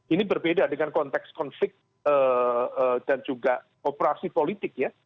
ini berbeda dengan konteks konflik dan juga operasi politik ya